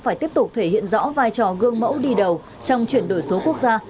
phải tiếp tục thể hiện rõ vai trò gương mẫu đi đầu trong chuyển đổi số quốc gia